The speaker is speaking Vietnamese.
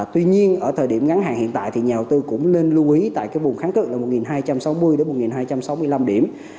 tuy nhiên ở thời điểm ngắn hàng hiện tại nhà đầu tư cũng nên lưu ý tại buồng kháng cực một nghìn hai trăm sáu mươi một nghìn hai trăm sáu mươi năm điểm